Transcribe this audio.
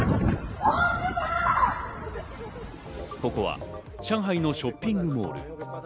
ここは上海のショッピングモール。